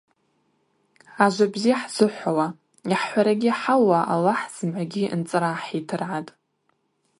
Ажва бзи хӏзыхӏвауа, йхӏхӏварагьи хӏауа Алахӏ зымгӏвагьи нцӏра гӏахӏитыргӏатӏ.